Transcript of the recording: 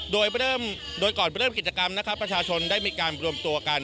โดยเริ่มโดยก่อนเริ่มกิจกรรมนะครับประชาชนได้มีการรวมตัวกัน